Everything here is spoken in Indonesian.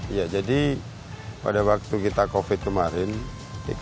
iya jadi pada waktu kita covid kemarin ekonomi kita itu min lima tiga puluh dua